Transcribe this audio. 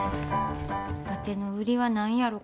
わての売りは何やろか？